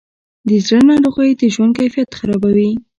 د زړه ناروغۍ د ژوند کیفیت خرابوي.